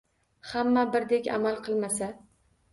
Hamma birdek amal qilmasa.